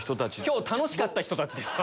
今日楽しかった人たちです。